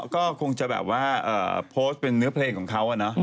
ก็คงจะแบบว่าโพสต์เป็นเนื้อเพลงของเขา